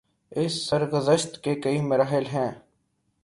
اس سرگزشت کے کئی مراحل ہیں۔